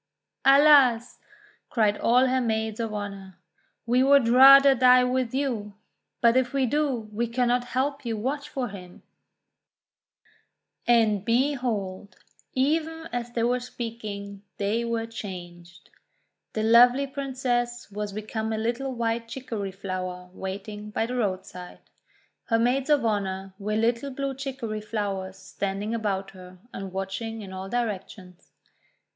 5' "Alas!'1' cried all her maids of honour, "we would rather die with you; but if we do, we cannot help you watch for him!" 132 THE WONDER GARDEN And behold! even as they were speaking they were changed! The lovely Princess was become a little White Chicory flower waiting by the roadside. Her maids of honour were little Blue Chicory flowers standing about her, and watching in all directions.